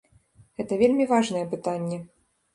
Гэта вельмі важнае пытанне.